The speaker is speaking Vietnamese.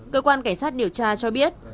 cơ quan cảnh sát điều tra cho biết